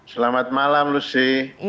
selamat malam lucy